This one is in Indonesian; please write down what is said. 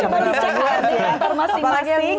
cuma dicoba di kantor masing masing